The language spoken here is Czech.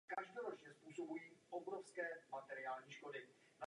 Po mnoho let pracoval jako televizní režisér.